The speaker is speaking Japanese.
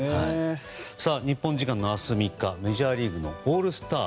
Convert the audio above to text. さあ、日本時間の明日、３日メジャーリーグのオールスター